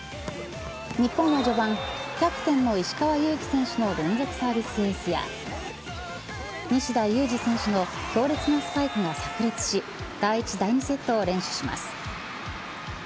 日本は序盤キャプテンの石川祐希選手の連続サービスエースや西田有志選手の強烈なスパイクがさく裂し第１、第２セットを連取します。